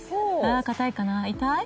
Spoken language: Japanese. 硬いかな痛い？